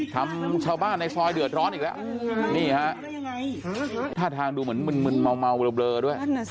ทำชาวบ้านในซอยเดือดร้อนอีกแล้วนี่ฮะท่าทางดูเหมือนมึนเมาเบลอด้วย